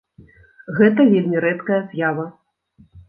Гэта вельмі рэдкая з'ява.